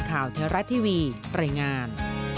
ข่าวเทอร์แรตทีวีไตรงาน